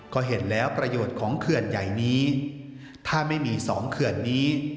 ก็เห็นแล้วประโยชน์ของเขื่อนใหญ่นี้ถ้าไม่มีสองเขื่อนนี้